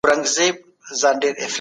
هغه تل په زړه پوري خبري کوي.